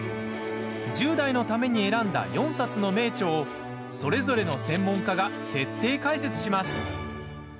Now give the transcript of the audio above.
１０代のために選んだ４冊の名著をそれぞれの専門家が徹底解説します。